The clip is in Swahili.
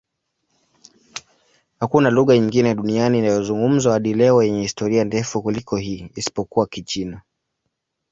Hakuna lugha nyingine duniani inayozungumzwa hadi leo yenye historia ndefu kuliko hii, isipokuwa Kichina.